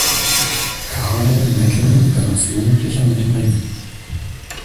Kaarlo Mäkinen begann als Jugendlicher mit dem Ringen.